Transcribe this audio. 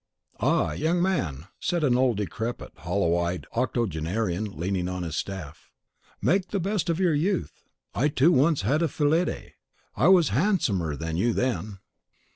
"Ah, young man," said an old, decrepit, hollow eyed octogenarian, leaning on his staff, "make the best of your youth. I, too, once had a Fillide! I was handsomer than you then!